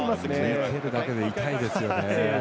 見ているだけで痛いですよね。